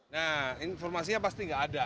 nah informasinya pasti nggak ada